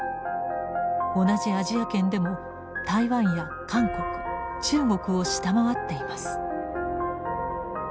同じアジア圏でも台湾や韓国中国を下回っています。